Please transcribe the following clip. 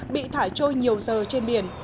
bị thải trôi nhiều giờ trên biển